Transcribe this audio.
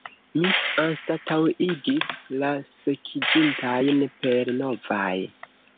Mi anstataŭigis la sekiĝintajn per novaj.